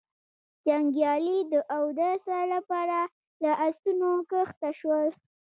جنګيالي د اوداسه له پاره له آسونو کښته شول.